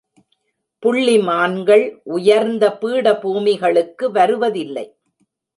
புள்ளி மான்கள் உயர்ந்த பீடபூமி களுக்கு வருவதில்லை.